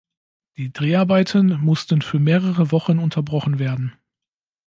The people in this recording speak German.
Die Dreharbeiten mussten für mehrere Wochen unterbrochen werden.